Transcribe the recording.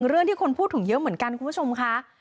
เรื่องที่คนพูดถึงเยอะเหมือนกันคุณผู้ชมค่ะ